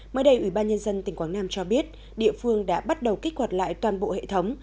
mới đây ủy ban nhân dân tỉnh quảng nam cho biết địa phương đã bắt đầu kích hoạt lại toàn bộ hệ thống